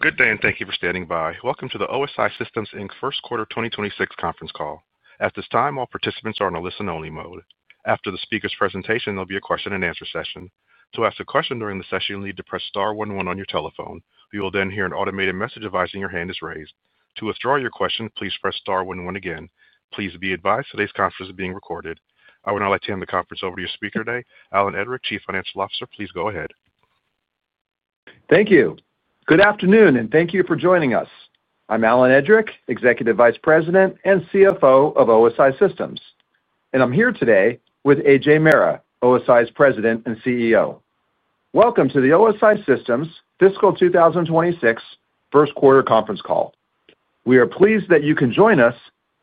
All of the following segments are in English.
Good day, and thank you for standing by. Welcome to the OSI Systems, Inc First Quarter 2026 conference call. At this time, all participants are in a listen-only mode. After the speaker's presentation, there'll be a question-and-answer session. To ask a question during the session, you'll need to press star one one on your telephone. You will then hear an automated message advising your hand is raised. To withdraw your question, please press star one one again. Please be advised today's conference is being recorded. I would now like to hand the conference over to your speaker today, Alan Edrick, Chief Financial Officer. Please go ahead. Thank you. Good afternoon, and thank you for joining us. I'm Alan Edrick, Executive Vice President and CFO of OSI Systems, and I'm here today with Ajay Mehra, OSI's President and CEO. Welcome to the OSI Systems fiscal 2026 First Quarter conference call. We are pleased that you can join us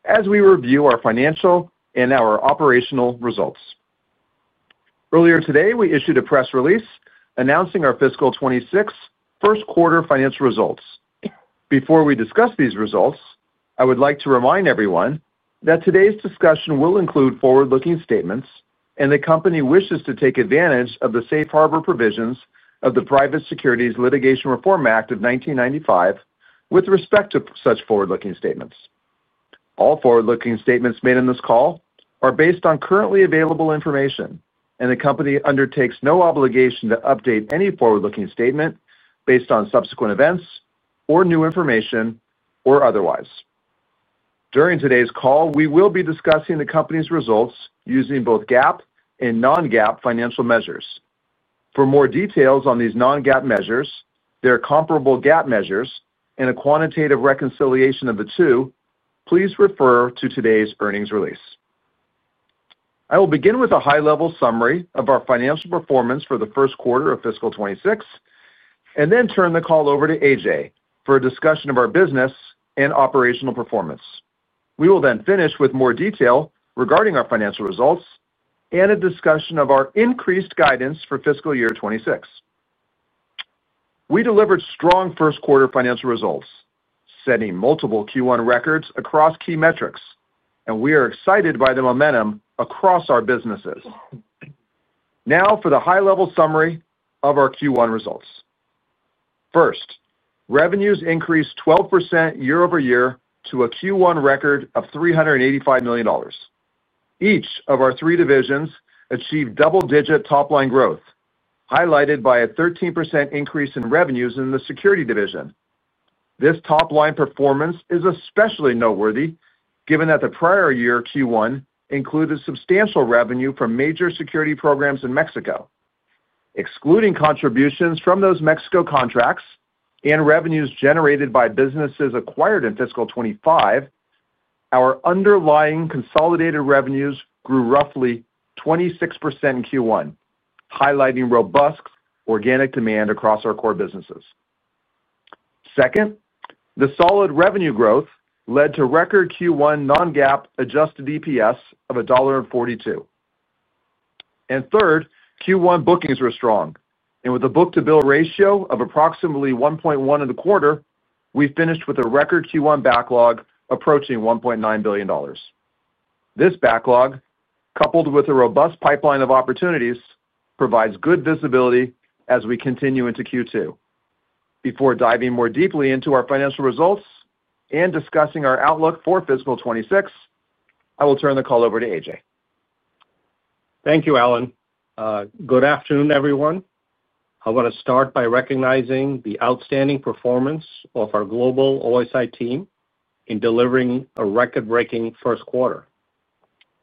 as we review our financial and our operational results. Earlier today, we issued a press release announcing our fiscal 2026 First Quarter financial results. Before we discuss these results, I would like to remind everyone that today's discussion will include forward-looking statements, and the company wishes to take advantage of the safe harbor provisions of the Private Securities Litigation Reform Act of 1995 with respect to such forward-looking statements. All forward-looking statements made in this call are based on currently available information, and the company undertakes no obligation to update any forward-looking statement based on subsequent events or new information or otherwise. During today's call, we will be discussing the company's results using both GAAP and non-GAAP financial measures. For more details on these non-GAAP measures, their comparable GAAP measures, and a quantitative reconciliation of the two, please refer to today's earnings release. I will begin with a high-level summary of our financial performance for the first quarter of fiscal 2026 and then turn the call over to Ajay for a discussion of our business and operational performance. We will then finish with more detail regarding our financial results and a discussion of our increased guidance for Fiscal Year 2026. We delivered strong first-quarter financial results, setting multiple Q1 records across key metrics, and we are excited by the momentum across our businesses. Now for the high-level summary of our Q1 results. First, revenues increased 12% year-over-year to a Q1 record of $385 million. Each of our three divisions achieved double-digit top-line growth, highlighted by a 13% increase in revenues in the Security division. This top-line performance is especially noteworthy given that the prior year Q1 included substantial revenue from major security programs in Mexico. Excluding contributions from those Mexico contracts and revenues generated by businesses acquired in fiscal 2025, our underlying consolidated revenues grew roughly 26% in Q1, highlighting robust organic demand across our core businesses. Second, the solid revenue growth led to record Q1 non-GAAP adjusted EPS of $1.42. Third, Q1 bookings were strong, and with a book-to-bill ratio of approximately 1.1 in the quarter, we finished with a record Q1 backlog approaching $1.9 billion. This backlog, coupled with a robust pipeline of opportunities, provides good visibility as we continue into Q2. Before diving more deeply into our financial results and discussing our outlook for fiscal 2026, I will turn the call over to Ajay. Thank you, Alan. Good afternoon, everyone. I want to start by recognizing the outstanding performance of our Global OSI team in delivering a record-breaking first quarter.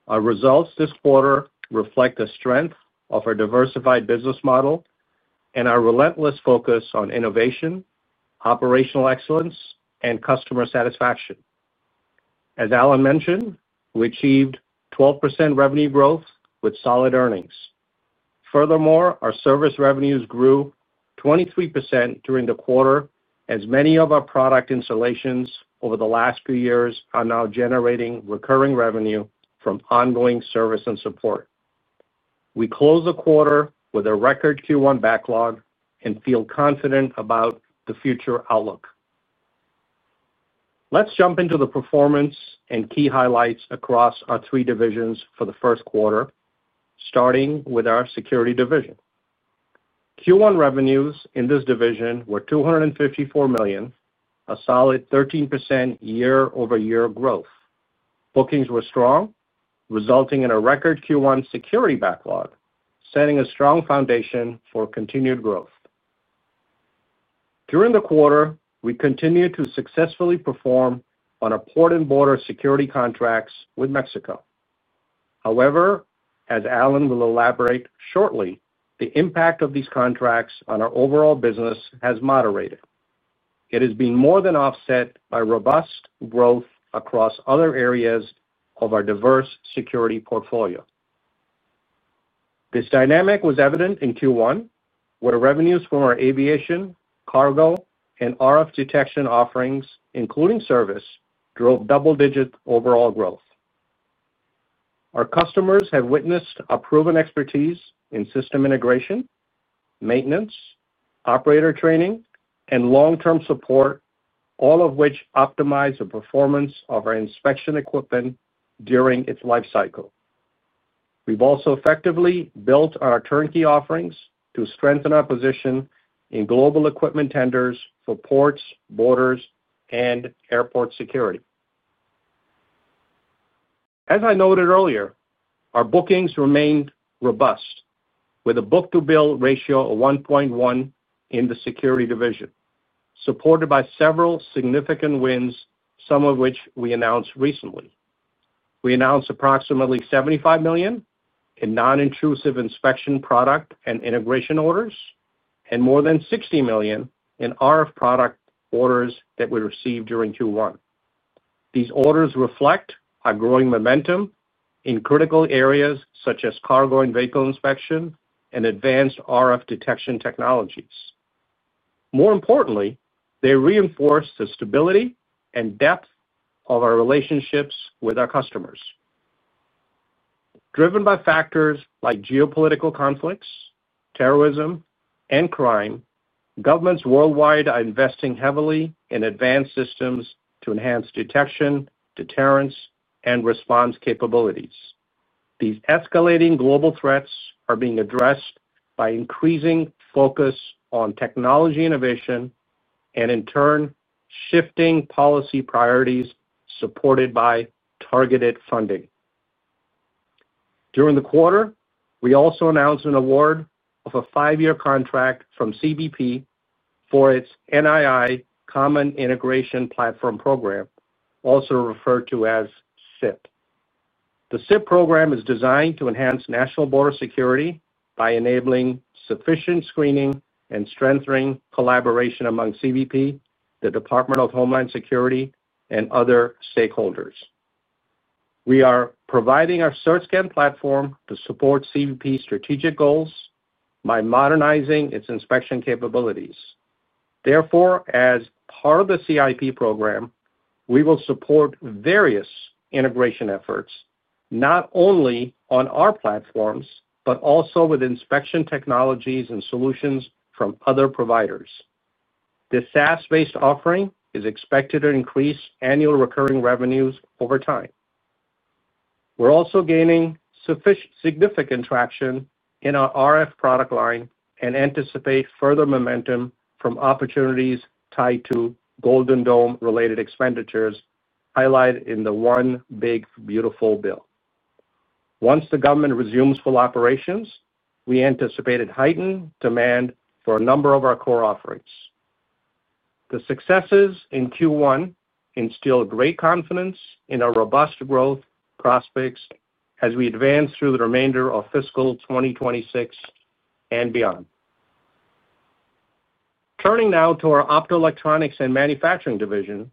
Our results this quarter reflect the strength of our diversified business model and our relentless focus on innovation, operational excellence, and customer satisfaction. As Alan mentioned, we achieved 12% revenue growth with solid earnings. Furthermore, our service revenues grew 23% during the quarter, as many of our product installations over the last few years are now generating recurring revenue from ongoing service and support. We closed the quarter with a record Q1 backlog and feel confident about the future outlook. Let's jump into the performance and key highlights across our three divisions for the first quarter, starting with our Security division. Q1 revenues in this division were $254 million, a solid 13% year-over-year growth. Bookings were strong, resulting in a record Q1 Security backlog, setting a strong foundation for continued growth. During the quarter, we continued to successfully perform on our port and border security contracts with Mexico. However, as Alan will elaborate shortly, the impact of these contracts on our overall business has moderated. It has been more than offset by robust growth across other areas of our diverse Security portfolio. This dynamic was evident in Q1, where revenues from our aviation, cargo, and RF detection offerings, including service, drove double-digit overall growth. Our customers have witnessed a proven expertise in system integration, maintenance, operator training, and long-term support, all of which optimize the performance of our inspection equipment during its lifecycle. We have also effectively built on our turnkey offerings to strengthen our position in global equipment tenders for ports, borders, and airport security. As I noted earlier, our bookings remained robust, with a book-to-bill ratio of 1.1 in the Security division, supported by several significant wins, some of which we announced recently. We announced approximately $75 million in non-intrusive inspection product and integration orders, and more than $60 million in RF product orders that we received during Q1. These orders reflect our growing momentum in critical areas such as cargo and vehicle inspection and advanced RF detection technologies. More importantly, they reinforce the stability and depth of our relationships with our customers. Driven by factors like geopolitical conflicts, terrorism, and crime, governments worldwide are investing heavily in advanced systems to enhance detection, deterrence, and response capabilities. These escalating global threats are being addressed by increasing focus on technology innovation and, in turn, shifting policy priorities supported by targeted funding. During the quarter, we also announced an award of a five-year contract from CBP for its NII Common Integration Platform Program, also referred to as CIP. The CIP program is designed to enhance national border security by enabling sufficient screening and strengthening collaboration among CBP, the Department of Homeland Security, and other stakeholders. We are providing our CertScan platform to support CBP's strategic goals by modernizing its inspection capabilities. Therefore, as part of the CIP program, we will support various integration efforts, not only on our platforms but also with inspection technologies and solutions from other providers. This SaaS-based offering is expected to increase annual recurring revenues over time. We're also gaining significant traction in our RF product line and anticipate further momentum from opportunities tied to Golden Dome related expenditures highlighted in the One Big Beautiful Bill. Once the government resumes full operations, we anticipate a heightened demand for a number of our core offerings. The successes in Q1 instill great confidence in our robust growth prospects as we advance through the remainder of fiscal 2026 and beyond. Turning now to our Optoelectronics and Manufacturing division.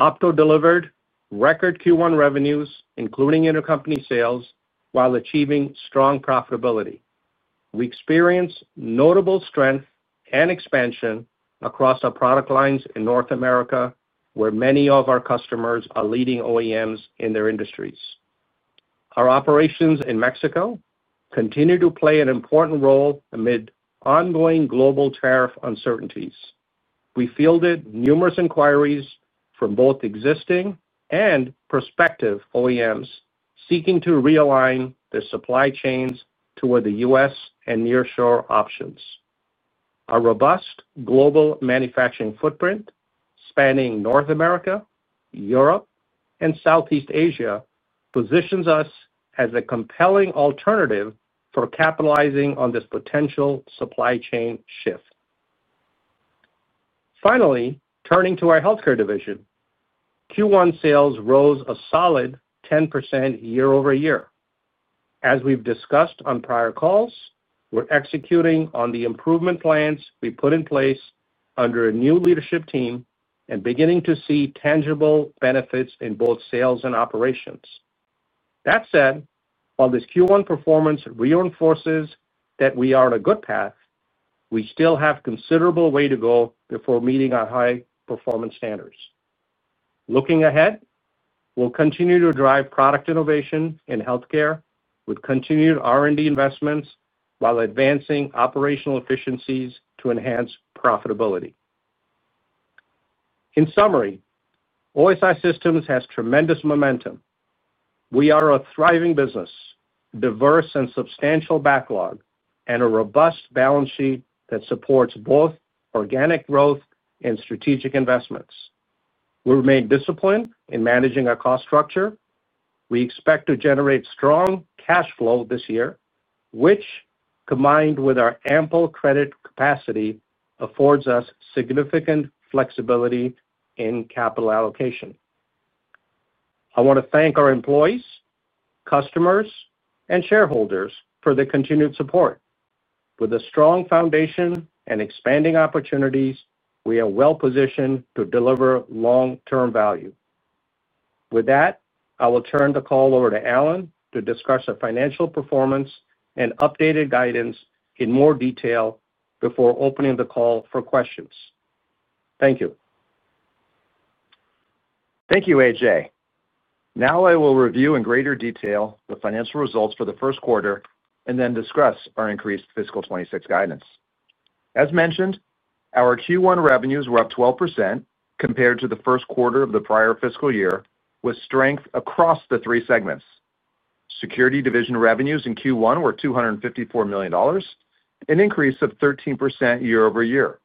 Opto delivered record Q1 revenues, including intercompany sales, while achieving strong profitability. We experience notable strength and expansion across our product lines in North America, where many of our customers are leading OEMs in their industries. Our operations in Mexico continue to play an important role amid ongoing global tariff uncertainties. We fielded numerous inquiries from both existing and prospective OEMs seeking to realign their supply chains toward the U.S. and near-shore options. Our robust global manufacturing footprint, spanning North America, Europe, and Southeast Asia, positions us as a compelling alternative for capitalizing on this potential supply chain shift. Finally, turning to our Healthcare division. Q1 sales rose a solid 10% year-over-year. As we've discussed on prior calls, we're executing on the improvement plans we put in place under a new leadership team and beginning to see tangible benefits in both sales and operations. That said, while this Q1 performance reinforces that we are on a good path, we still have a considerable way to go before meeting our high performance standards. Looking ahead, we'll continue to drive product innovation in Healthcare with continued R&D investments while advancing operational efficiencies to enhance profitability. In summary, OSI Systems has tremendous momentum. We are a thriving business. Diverse and substantial backlog, and a robust balance sheet that supports both organic growth and strategic investments. We remain disciplined in managing our cost structure. We expect to generate strong cash flow this year, which, combined with our ample credit capacity, affords us significant flexibility in capital allocation. I want to thank our employees, customers, and shareholders for their continued support. With a strong foundation and expanding opportunities, we are well-positioned to deliver long-term value. With that, I will turn the call over to Alan to discuss our financial performance and updated guidance in more detail before opening the call for questions. Thank you. Thank you, Ajay. Now I will review in greater detail the financial results for the first quarter and then discuss our increased fiscal 2026 guidance. As mentioned, our Q1 revenues were up 12% compared to the first quarter of the prior fiscal year, with strength across the three segments. Security division revenues in Q1 were $254 million, an increase of 13% year-over-year.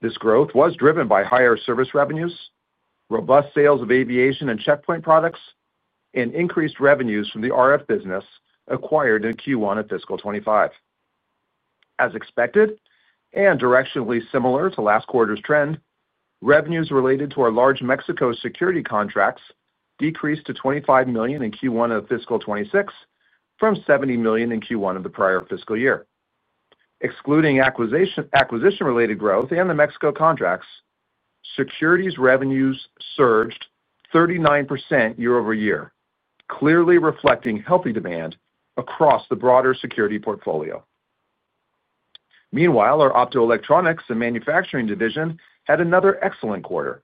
This growth was driven by higher service revenues, robust sales of aviation and checkpoint products, and increased revenues from the RF business acquired in Q1 of fiscal 2025. As expected and directionally similar to last quarter's trend, revenues related to our large Mexico security contracts decreased to $25 million in Q1 of fiscal 2026 from $70 million in Q1 of the prior fiscal year. Excluding acquisition-related growth and the Mexico contracts, Security division revenues surged 39% year-over-year, clearly reflecting healthy demand across the broader security portfolio. Meanwhile, our Optoelectronics and Manufacturing division had another excellent quarter.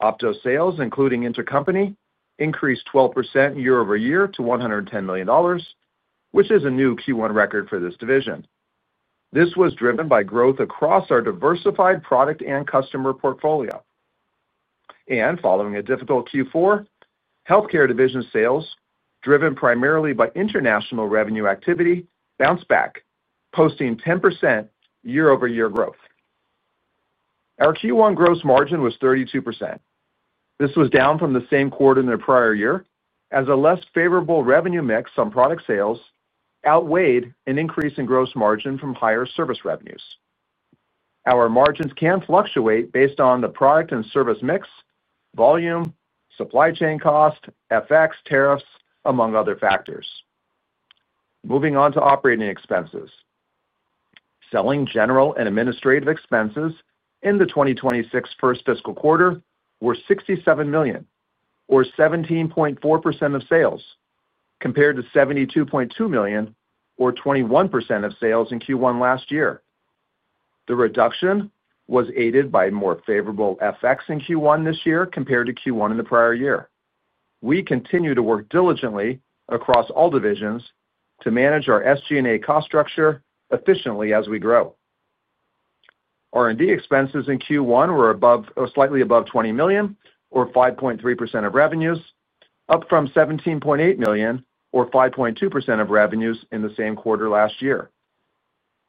Opto sales, including intercompany, increased 12% year-over-year to $110 million, which is a new Q1 record for this division. This was driven by growth across our diversified product and customer portfolio. Following a difficult Q4, Healthcare division sales, driven primarily by international revenue activity, bounced back, posting 10% year-over-year growth. Our Q1 gross margin was 32%. This was down from the same quarter in the prior year, as a less favorable revenue mix on product sales outweighed an increase in gross margin from higher service revenues. Our margins can fluctuate based on the product and service mix, volume, supply chain cost, FX, tariffs, among other factors. Moving on to operating expenses. Selling, General and Administrative expenses in the 2026 first fiscal quarter were $67 million, or 17.4% of sales, compared to $72.2 million, or 21% of sales in Q1 last year. The reduction was aided by more favorable FX in Q1 this year compared to Q1 in the prior year. We continue to work diligently across all divisions to manage our SG&A cost structure efficiently as we grow. R&D expenses in Q1 were slightly above $20 million, or 5.3% of revenues, up from $17.8 million, or 5.2% of revenues in the same quarter last year.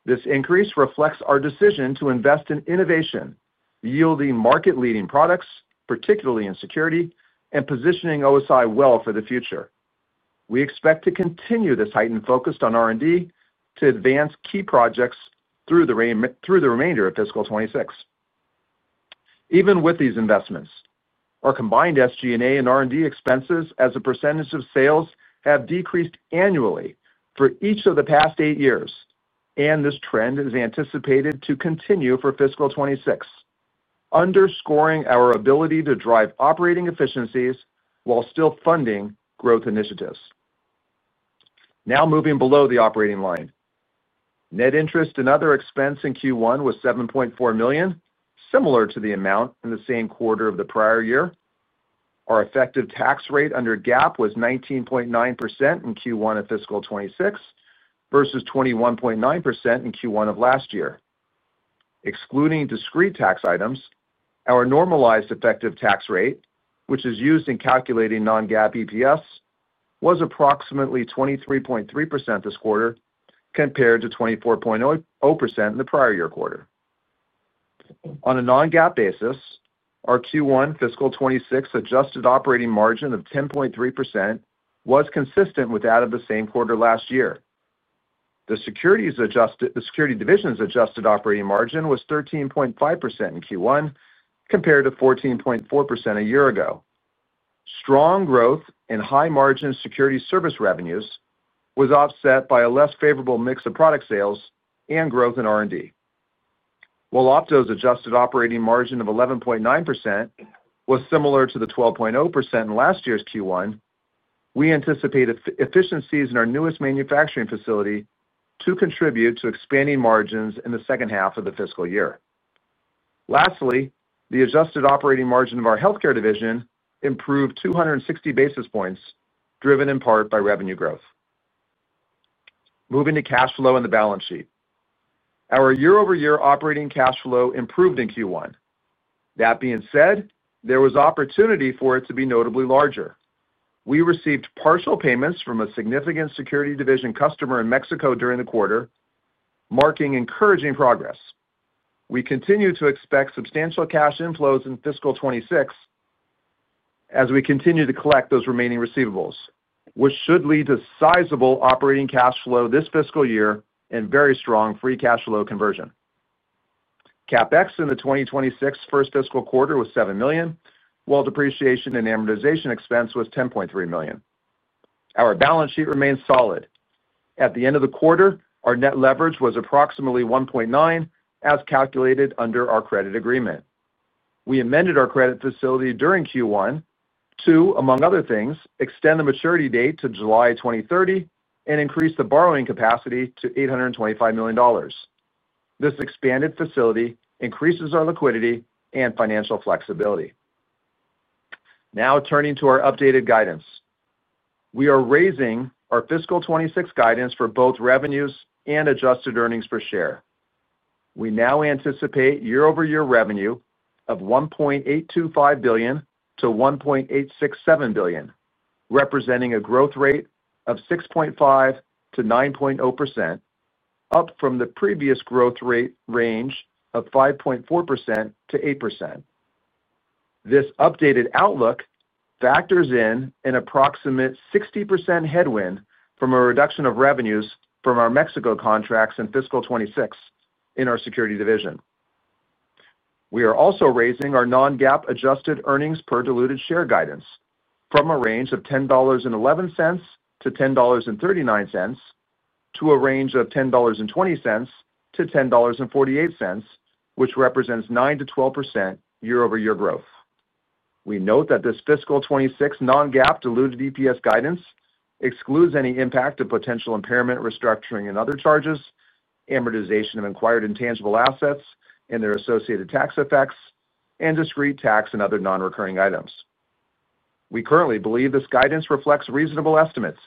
This increase reflects our decision to invest in innovation, yielding market-leading products, particularly in Security, and positioning OSI well for the future. We expect to continue this heightened focus on R&D to advance key projects through the remainder of fiscal 2026. Even with these investments, our combined SG&A and R&D expenses as a percentage of sales have decreased annually for each of the past eight years, and this trend is anticipated to continue for fiscal 2026, underscoring our ability to drive operating efficiencies while still funding growth initiatives. Now moving below the operating line. Net interest and other expense in Q1 was $7.4 million, similar to the amount in the same quarter of the prior year. Our effective tax rate under GAAP was 19.9% in Q1 of fiscal 2026 versus 21.9% in Q1 of last year. Excluding discrete tax items, our normalized effective tax rate, which is used in calculating non-GAAP EPS, was approximately 23.3% this quarter compared to 24.0% in the prior year quarter. On a non-GAAP basis, our Q1 fiscal 2026 adjusted operating margin of 10.3% was consistent with that of the same quarter last year. The Security division's adjusted operating margin was 13.5% in Q1 compared to 14.4% a year ago. Strong growth in high-margin security service revenues was offset by a less favorable mix of product sales and growth in R&D. While Opto's adjusted operating margin of 11.9% was similar to the 12.0% in last year's Q1, we anticipate efficiencies in our newest manufacturing facility to contribute to expanding margins in the second half of the fiscal year. Lastly, the adjusted operating margin of our Healthcare division improved 260 basis points, driven in part by revenue growth. Moving to cash flow and the balance sheet, our year-over-year operating cash flow improved in Q1. That being said, there was opportunity for it to be notably larger. We received partial payments from a significant Security division customer in Mexico during the quarter, marking encouraging progress. We continue to expect substantial cash inflows in fiscal 2026 as we continue to collect those remaining receivables, which should lead to sizable operating cash flow this fiscal year and very strong free cash flow conversion. CapEx in the 2026 first fiscal quarter was $7 million, while depreciation and amortization expense was $10.3 million. Our balance sheet remains solid. At the end of the quarter, our net leverage was approximately $1.9 billion, as calculated under our credit agreement. We amended our credit facility during Q1 to, among other things, extend the maturity date to July 2030 and increase the borrowing capacity to $825 million. This expanded facility increases our liquidity and financial flexibility. Now turning to our updated guidance, we are raising our fiscal 2026 guidance for both revenues and adjusted earnings per share. We now anticipate year-over-year revenue of $1.825 billion-$1.867 billion, representing a growth rate of 6.5%-9.0%, up from the previous growth rate range of 5.4%-8%. This updated outlook factors in an approximate 60% headwind from a reduction of revenues from our Mexico contracts in fiscal 2026 in our Security division. We are also raising our non-GAAP adjusted earnings per diluted share guidance from a range of $10.11-$10.39, to a range of $10.20-$10.48, which represents 9% to 12% year-over-year growth. We note that this fiscal 2026 non-GAAP diluted EPS guidance excludes any impact of potential impairment, restructuring, and other charges, amortization of acquired intangible assets and their associated tax effects, and discrete tax and other non-recurring items. We currently believe this guidance reflects reasonable estimates.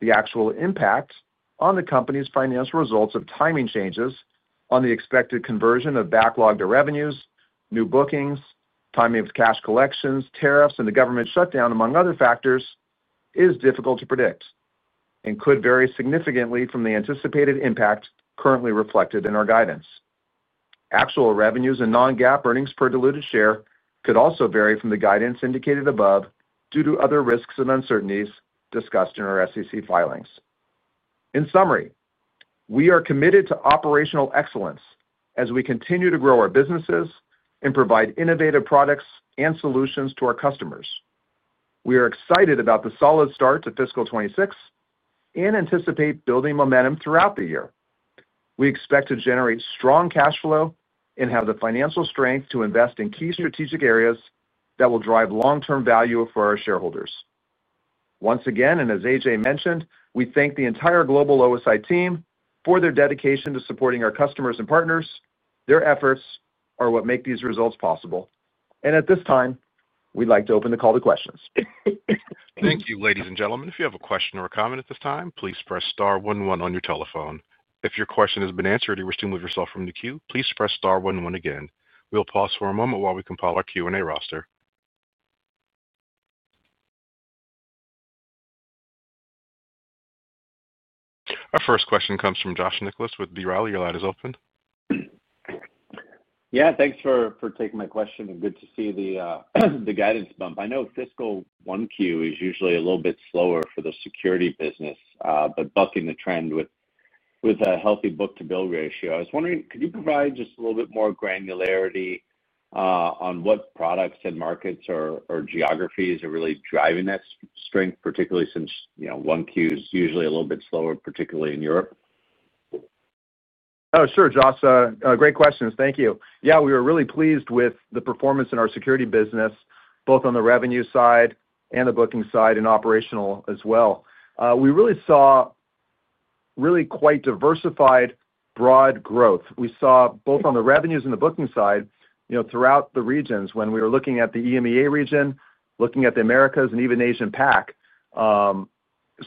The actual impact on the company's financial results of timing changes on the expected conversion of backlogged revenues, new bookings, timing of cash collections, tariffs, and the government shutdown, among other factors, is difficult to predict and could vary significantly from the anticipated impact currently reflected in our guidance. Actual revenues and non-GAAP earnings per diluted share could also vary from the guidance indicated above due to other risks and uncertainties discussed in our SEC filings. In summary, we are committed to operational excellence as we continue to grow our businesses and provide innovative products and solutions to our customers. We are excited about the solid start to fiscal 2026 and anticipate building momentum throughout the year. We expect to generate strong cash flow and have the financial strength to invest in key strategic areas that will drive long-term value for our shareholders. Once again, and as Ajay mentioned, we thank the entire Global OSI team for their dedication to supporting our customers and partners. Their efforts are what make these results possible. At this time, we'd like to open the call to questions. Thank you, ladies and gentlemen. If you have a question or a comment at this time, please press star one one on your telephone. If your question has been answered or you wish to remove yourself from the queue, please press star one one again. We'll pause for a moment while we compile our Q&A roster. Our first question comes from Josh Nicholas with B. Riley. Your line is open. Yeah, thanks for taking my question. Good to see the guidance bump. I know fiscal 1Q is usually a little bit slower for the Security division, but bucking the trend with a healthy book-to-bill ratio. I was wondering, could you provide just a little bit more granularity on what products and markets or geographies are really driving that strength, particularly since 1Q is usually a little bit slower, particularly in Europe? Oh, sure, Josh. Great questions. Thank you. Yeah, we are really pleased with the performance in our Security division, both on the revenue side and the booking side and operational as well. We really saw really quite diversified broad growth. We saw both on the revenues and the booking side throughout the regions when we were looking at the EMEA region, looking at the Americas, and even Asian PAC.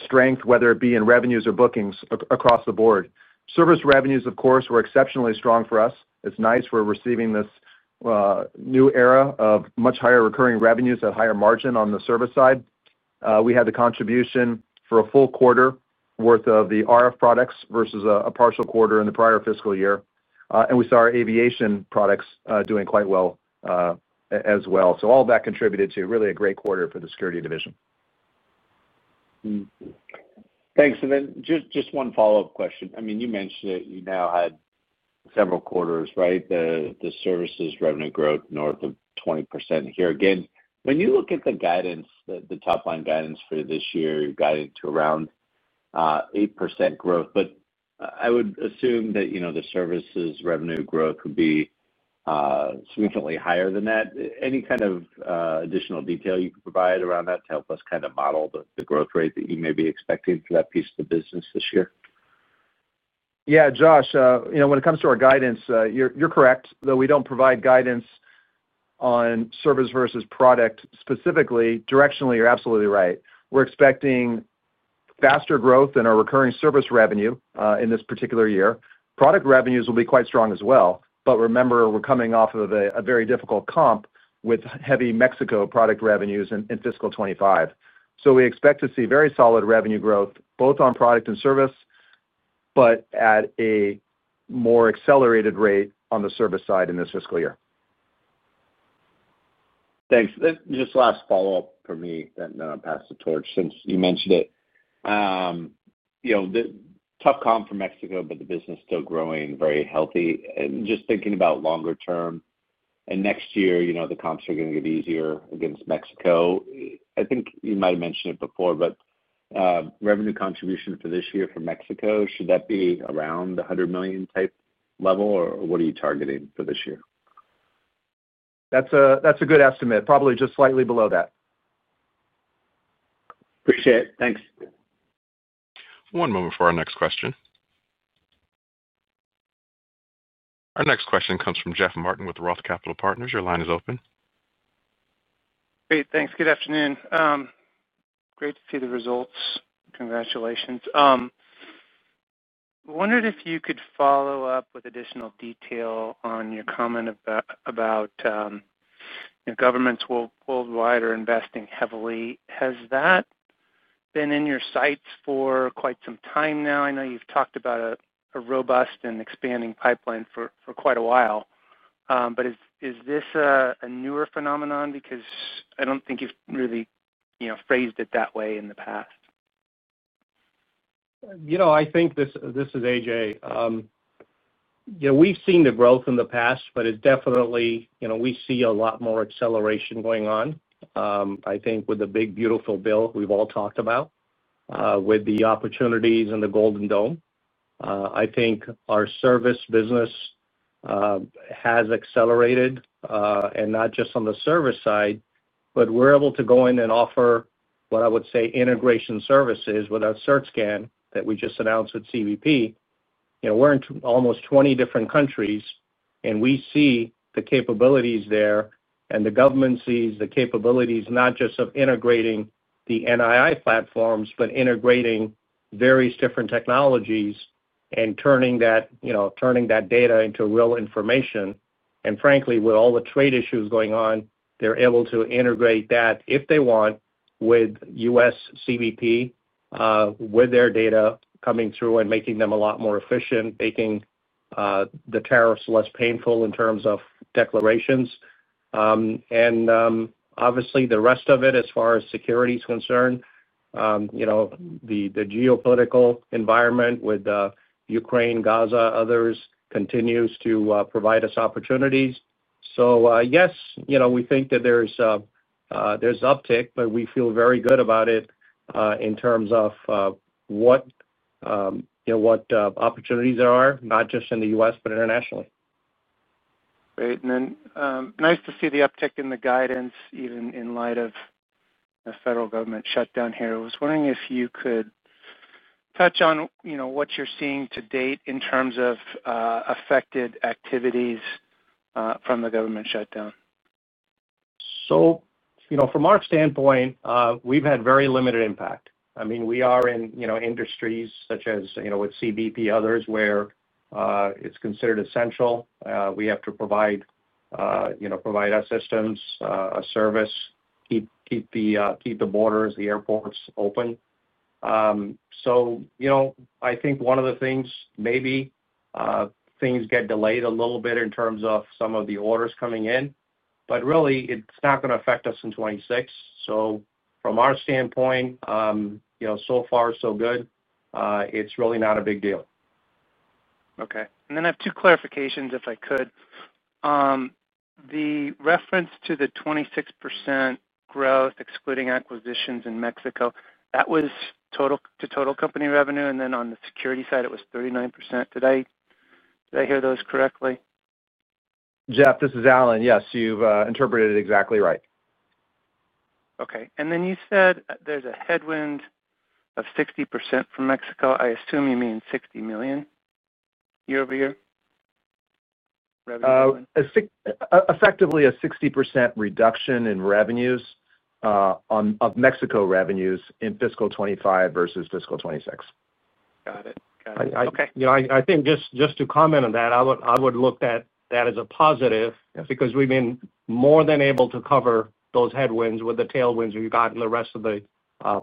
Strength, whether it be in revenues or bookings across the board. Service revenues, of course, were exceptionally strong for us. It's nice we're receiving this new era of much higher recurring revenues at higher margin on the service side. We had the contribution for a full quarter worth of the RF products versus a partial quarter in the prior fiscal year. We saw our aviation products doing quite well as well. All that contributed to really a great quarter for the Security division. Thanks. Just one follow-up question. You mentioned that you now had several quarters, right? The services revenue growth north of 20% here. Again, when you look at the top-line guidance for this year, you're guided to around 8% growth. I would assume that the services revenue growth would be significantly higher than that. Any kind of additional detail you can provide around that to help us kind of model the growth rate that you may be expecting for that piece of the business this year? Yeah, Josh, when it comes to our guidance, you're correct. Though we don't provide guidance on service versus product specifically, directionally, you're absolutely right. We're expecting faster growth in our recurring service revenue in this particular year. Product revenues will be quite strong as well. Remember, we're coming off of a very difficult comp with heavy Mexico product revenues in fiscal 2025. We expect to see very solid revenue growth both on product and service, but at a more accelerated rate on the service side in this fiscal year. Thanks. Just last follow-up for me, then I'll pass the torch since you mentioned it. Tough comp for Mexico, but the business is still growing very healthy. Just thinking about longer term, and next year, the comps are going to get easier against Mexico. I think you might have mentioned it before, but revenue contribution for this year for Mexico, should that be around the $100 million type level, or what are you targeting for this year? That's a good estimate. Probably just slightly below that. Appreciate it. Thanks. One moment for our next question. Our next question comes from Jeff Martin with ROTH Capital Partners. Your line is open. Great. Thanks. Good afternoon. Great to see the results. Congratulations. Wondered if you could follow up with additional detail on your comment about governments worldwide are investing heavily. Has that been in your sights for quite some time now? I know you've talked about a robust and expanding pipeline for quite a while, but is this a newer phenomenon? Because I don't think you've really phrased it that way in the past. I think this is Ajay. We've seen the growth in the past, but we definitely see a lot more acceleration going on. I think with the One Big Beautiful Bill we've all talked about, with the opportunities and the Golden Dome, I think our service business has accelerated. Not just on the service side, but we're able to go in and offer what I would say are integration services with our search scan that we just announced with CBP. We're in almost 20 different countries, and we see the capabilities there, and the government sees the capabilities not just of integrating the NII platforms, but integrating various different technologies and turning that data into real information. Frankly, with all the trade issues going on, they're able to integrate that, if they want, with U.S. CBP, with their data coming through and making them a lot more efficient, making the tariffs less painful in terms of declarations. Obviously, the rest of it, as far as security is concerned, the geopolitical environment with Ukraine, Gaza, others continues to provide us opportunities. Yes, we think that there's uptake, but we feel very good about it in terms of what opportunities there are, not just in the U.S., but internationally. Great. Nice to see the uptick in the guidance, even in light of the federal government shutdown here. I was wondering if you could touch on what you're seeing to date in terms of affected activities from the government shutdown. From our standpoint, we've had very limited impact. I mean, we are in industries such as with CBP, others where it's considered essential. We have to provide our systems, our service, keep the borders, the airports open. I think one of the things, maybe things get delayed a little bit in terms of some of the orders coming in, but really, it's not going to affect us in 2026. From our standpoint, so far, so good. It's really not a big deal. Okay. I have two clarifications, if I could. The reference to the 26% growth, excluding acquisitions in Mexico, that was to total company revenue. On the security side, it was 39%. Did I hear those correctly? Jeff, this is Alan. Yes, you've interpreted it exactly right. Okay. You said there's a headwind of 60% for Mexico. I assume you mean $60 million. Year-over-year? Effectively, a 60% reduction in revenues of Mexico revenues in fiscal 2025 versus fiscal 2026. Got it. I think just to comment on that, I would look at that as a positive because we've been more than able to cover those headwinds with the tailwinds we've gotten the rest of the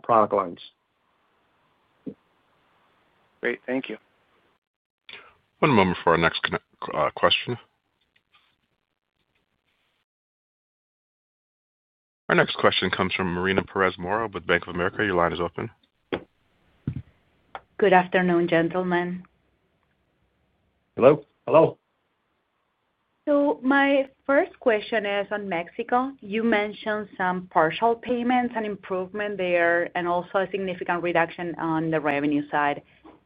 product lines. Great. Thank you. One moment for our next question. Our next question comes from Mariana Pérez Mora with Bank of America. Your line is open. Good afternoon, gentlemen. Hello. My first question is on Mexico. You mentioned some partial payments and improvement there and also a significant reduction on the revenue side.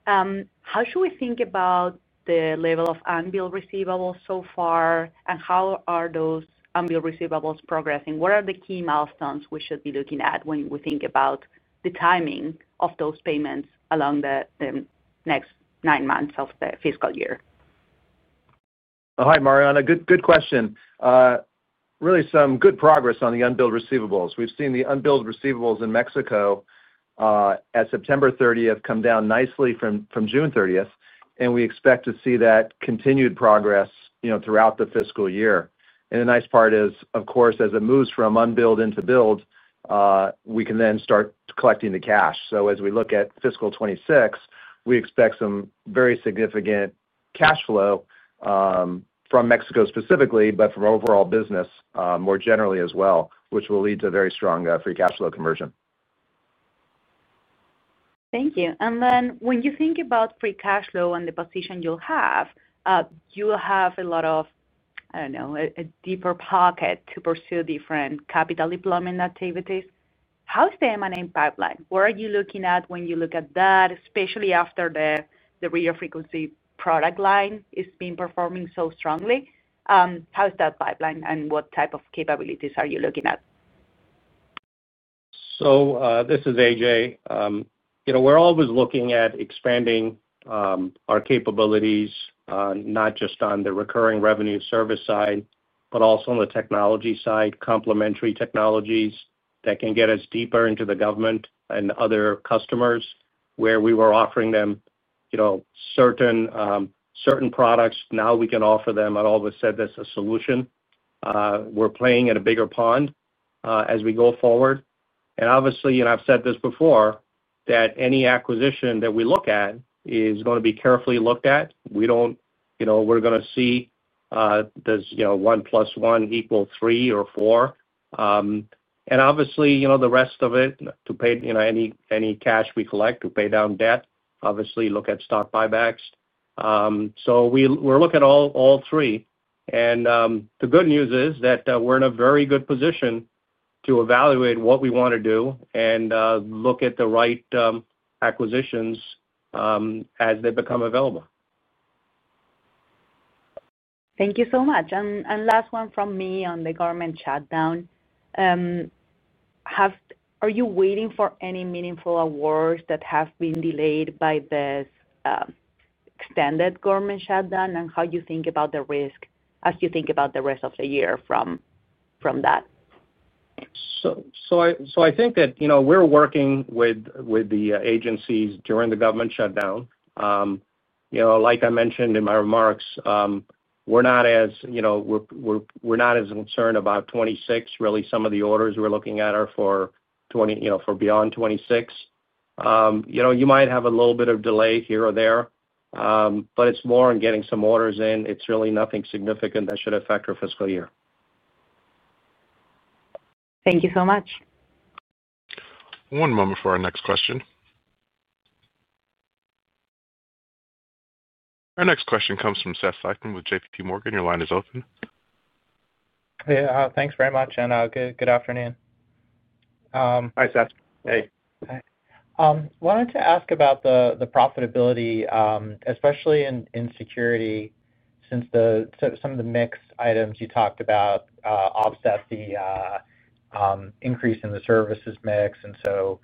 How should we think about the level of unbilled receivables so far, and how are those unbilled receivables progressing? What are the key milestones we should be looking at when we think about the timing of those payments along the next nine months of the fiscal year? Hi, Mariana. Good question. Really, some good progress on the unbilled receivables. We've seen the unbilled receivables in Mexico at September 30th come down nicely from June 30th, and we expect to see that continued progress throughout the fiscal year. The nice part is, of course, as it moves from unbilled into billed, we can then start collecting the cash. As we look at fiscal 2026, we expect some very significant cash flow from Mexico specifically, but from overall business more generally as well, which will lead to very strong free cash flow conversion. Thank you. When you think about free cash flow and the position you'll have, you'll have a lot of, I don't know, a deeper pocket to pursue different capital deployment activities. How is the M&A pipeline? What are you looking at when you look at that, especially after the radio frecuency products line is being performing so strongly? How is that pipeline, and what type of capabilities are you looking at? This is Ajay. We're always looking at expanding. Our capabilities, not just on the recurring revenue service side, but also on the technology side, complementary technologies that can get us deeper into the government and other customers where we were offering them certain products. Now we can offer them and all of a sudden that's a solution. We're playing at a bigger pond as we go forward. Obviously, I've said this before, that any acquisition that we look at is going to be carefully looked at. We're going to see does one plus one equal three or four. Obviously, the rest of it to pay any cash we collect to pay down debt, obviously look at stock buybacks. We're looking at all three. The good news is that we're in a very good position to evaluate what we want to do and look at the right acquisitions as they become available. Thank you so much. Last one from me on the government shutdown. Are you waiting for any meaningful awards that have been delayed by this extended government shutdown? How do you think about the risk as you think about the rest of the year from that? I think that we're working with the agencies during the government shutdown. Like I mentioned in my remarks, we're not as concerned about 2026. Really, some of the orders we're looking at are for beyond 2026. You might have a little bit of delay here or there, but it's more in getting some orders in. It's really nothing significant that should affect our fiscal year. Thank you so much. One moment for our next question. Our next question comes from Seth Seifman with JPMorgan. Your line is open. Thanks very much, and good afternoon. Hi, Seth. Hey. Hi. Wanted to ask about the profitability, especially in security, since some of the mixed items you talked about offset the increase in the services mix, and so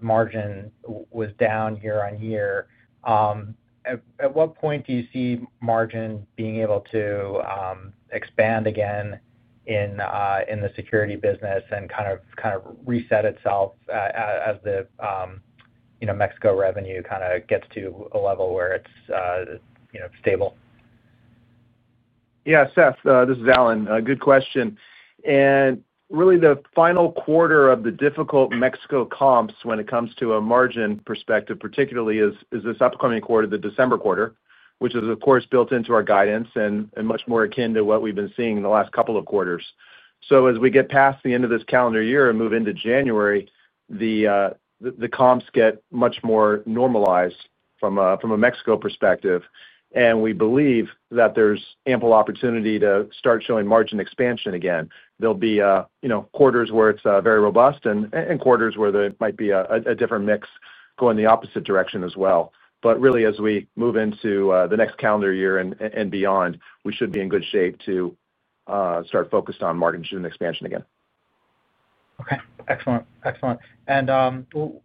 margin was down year on year. At what point do you see margin being able to expand again in the security business and kind of reset itself as the Mexico revenue kind of gets to a level where it's stable? Yeah, Seth, this is Alan. Good question. Really, the final quarter of the difficult Mexico comps when it comes to a margin perspective, particularly, is this upcoming quarter, the December quarter, which is, of course, built into our guidance and much more akin to what we've been seeing in the last couple of quarters. As we get past the end of this calendar year and move into January, the comps get much more normalized from a Mexico perspective. We believe that there's ample opportunity to start showing margin expansion again. There will be quarters where it's very robust and quarters where there might be a different mix going the opposite direction as well. Really, as we move into the next calendar year and beyond, we should be in good shape to start focused on margin expansion again. Excellent.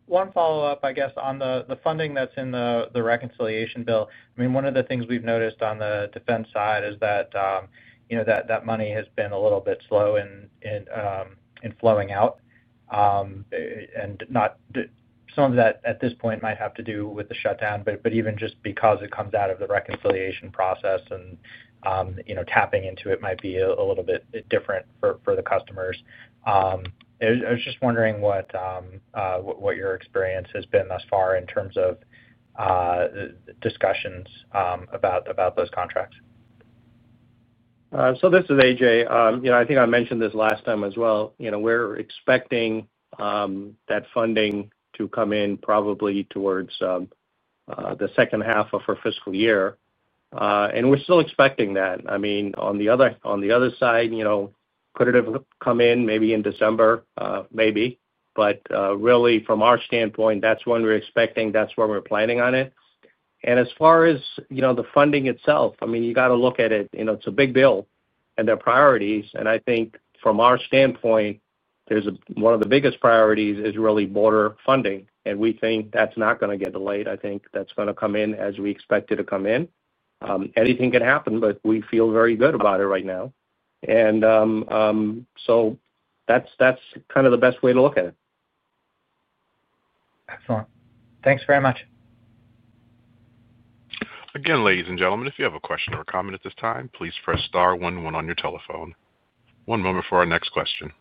One follow-up, I guess, on the funding that's in the reconciliation bill. One of the things we've noticed on the defense side is that money has been a little bit slow in flowing out. Some of that at this point might have to do with the shutdown, but even just because it comes out of the reconciliation process and tapping into it might be a little bit different for the customers. I was just wondering what your experience has been thus far in terms of discussions about those contracts. This is Ajay. I think I mentioned this last time as well. We're expecting that funding to come in probably towards the second half of our fiscal year, and we're still expecting that. On the other side, could it have come in maybe in December? Maybe. From our standpoint, that's when we're expecting, that's when we're planning on it. As far as the funding itself, you got to look at it. It's a big bill and there are priorities. I think from our standpoint, one of the biggest priorities is really border funding, and we think that's not going to get delayed. I think that's going to come in as we expect it to come in. Anything can happen, but we feel very good about it right now. That's kind of the best way to look at it. Excellent. Thanks very much. Again, ladies and gentlemen, if you have a question or a comment at this time, please press star one-one on your telephone. One moment for our next question.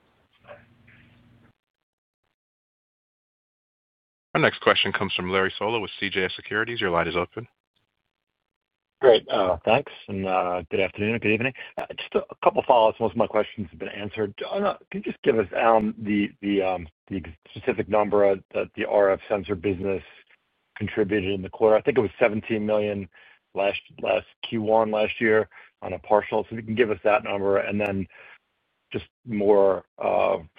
Our next question comes from Larry Solow with CJS Securities. Your line is open. Great. Thanks, and good afternoon. Good evening. Just a couple of follow-ups. Most of my questions have been answered. Can you just give us the specific number that the RF detection business contributed in the quarter? I think it was $17 million last Q1 last year on a partial. If you can give us that number.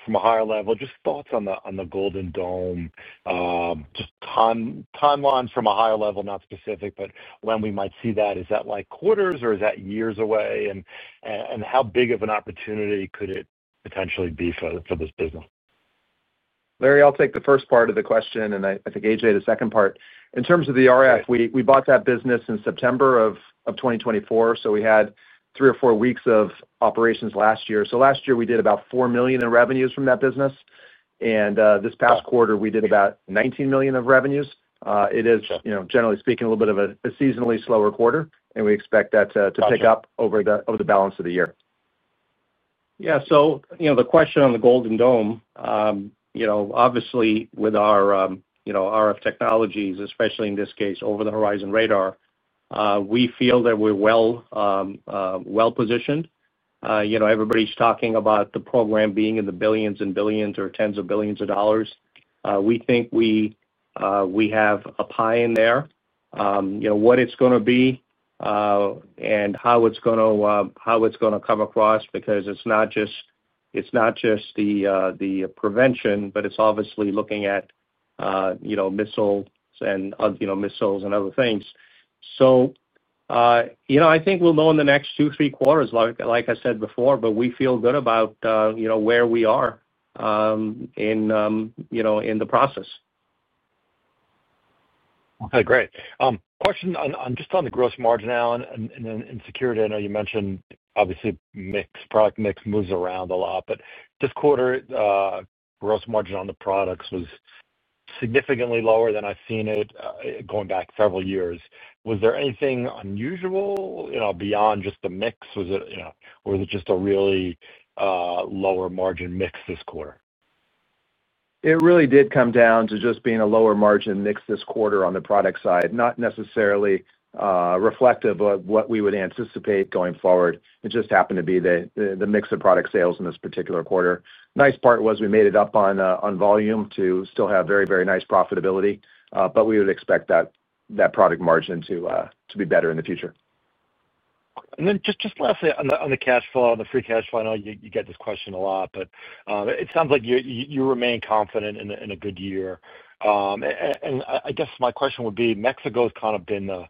From a higher level, just thoughts on the Golden Dome initiatives. Just timeline from a higher level, not specific, but when we might see that. Is that quarters or is that years away? How big of an opportunity could it potentially be for this business? Larry, I'll take the first part of the question, and I think Ajay the second part. In terms of the RF, we bought that business in September of 2024, so we had three or four weeks of operations last year. Last year, we did about $4 million in revenues from that business. This past quarter, we did about $19 million of revenues. It is, generally speaking, a little bit of a seasonally slower quarter, and we expect that to pick up over the balance of the year. The question on the Golden Dome. Obviously, with our RF technologies, especially in this case, Over-the-Horizon Radar, we feel that we're well positioned. Everybody's talking about the program being in the billions and billions or tens of billions of dollars. We think we have a pie in there. What it's going to be and how it's going to come across because it's not just the prevention, but it's obviously looking at missiles and other things. I think we'll know in the next two, three quarters, like I said before, but we feel good about where we are in the process. Great. Question just on the gross margin, Alan, and security. I know you mentioned, obviously, product mix moves around a lot, but this quarter, gross margin on the products was significantly lower than I've seen it going back several years. Was there anything unusual beyond just the mix? Was it just a really lower margin mix this quarter? It really did come down to just being a lower margin mix this quarter on the product side, not necessarily reflective of what we would anticipate going forward. It just happened to be the mix of product sales in this particular quarter. The nice part was we made it up on volume to still have very, very nice profitability, but we would expect that product margin to be better in the future. Lastly, on the cash flow, the free cash flow, I know you get this question a lot, but it sounds like you remain confident in a good year. My question would be, Mexico's kind of been the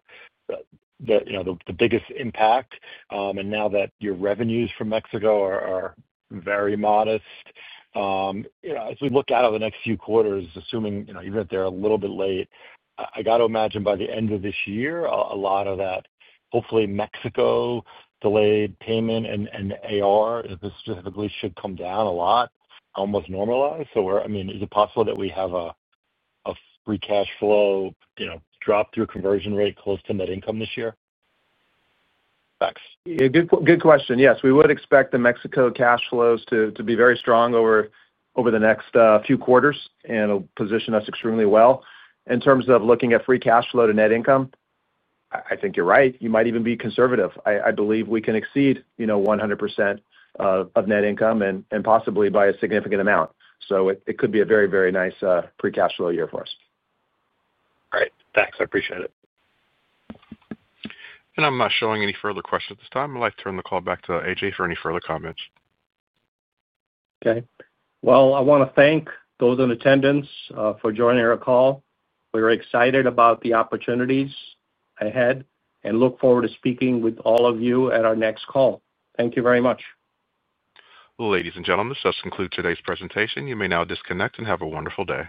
biggest impact. Now that your revenues from Mexico are very modest, as we look out of the next few quarters, assuming even if they're a little bit late, I got to imagine by the end of this year, a lot of that hopefully Mexico delayed payment and AR specifically should come down a lot, almost normalize. Is it possible that we have a free cash flow. Drop through conversion rate close to net income this year? Thanks. Good question. Yes. We would expect the Mexico cash flows to be very strong over the next few quarters and will position us extremely well. In terms of looking at free cash flow to net income, I think you're right. You might even be conservative. I believe we can exceed 100% of net income and possibly by a significant amount. It could be a very, very nice free cash flow year for us. All right. Thanks. I appreciate it. I'm not showing any further questions at this time. I'd like to turn the call back to Ajay for any further comments. I want to thank those in attendance for joining our call. We're excited about the opportunities ahead and look forward to speaking with all of you at our next call. Thank you very much. Ladies and gentlemen, this does conclude today's presentation. You may now disconnect and have a wonderful day.